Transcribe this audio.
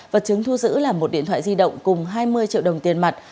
vật chứng thu giữ là một điện thoại di động cùng hai mươi triệu đồng tiền mặt